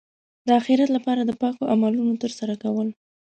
د اخرت لپاره د پاکو عملونو ترسره کول.